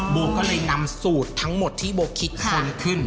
โบก็เลยนำสูตรทั้งหมดที่โบคิดค้นขึ้น